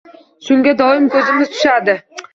Shunga doim ko’zimiz tushadi.